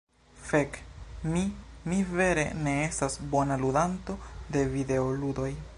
Fek! Mi… Mi vere ne estas bona ludanto de videoludoj.